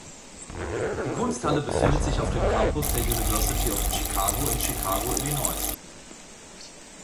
Die Kunsthalle befindet sich auf dem Campus der University of Chicago in Chicago, Illinois.